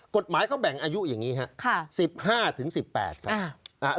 กฎหมายเขาแบ่งอายุอย่างนี้ครับ๑๕๑๘ครับ